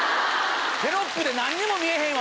テロップで何も見えへんわ！